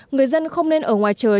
người dân không nên ở ngoài trời